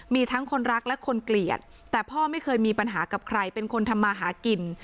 มีทั้งคนรักและคนเกลียดแต่พ่อไม่เคยมีปัญหากับใครเป็นคนทำมาหากิน